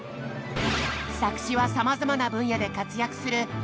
作詞はさまざまな分野で活躍する劇団ひとりさん。